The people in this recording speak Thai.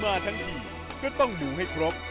มาทั้งที่ก็ต้องมูเข้าให้ครบ